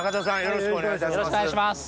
よろしくお願いします。